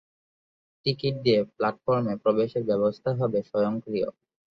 Ticket দিয়ে প্ল্যাটফর্মে প্রবেশের ব্যবস্থা হবে স্বয়ংক্রিয়।